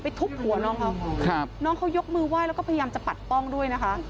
ทุบหัวน้องเขาครับน้องเขายกมือไหว้แล้วก็พยายามจะปัดป้องด้วยนะคะ